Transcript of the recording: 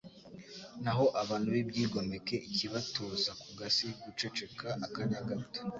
naho abantu b’ibyigomeke ikabatuza ku gasi guceceka akanya gato